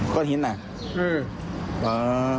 ก้อนหินอ่ะเออ